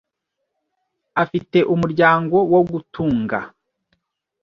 Afite umuryango wo gutunga .